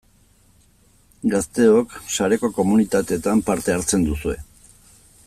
Gazteok sareko komunitateetan parte hartzen duzue.